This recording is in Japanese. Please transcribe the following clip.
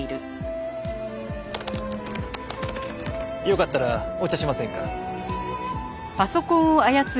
よかったらお茶しませんか？